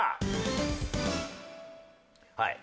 はい。